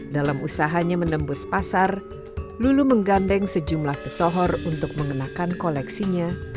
dalam usahanya menembus pasar lulu menggandeng sejumlah pesohor untuk mengenakan koleksinya